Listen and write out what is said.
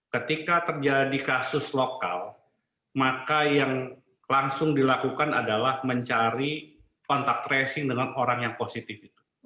ketika terjadi kasus lokal maka yang langsung dilakukan adalah mencari kontak tracing dengan orang yang positif itu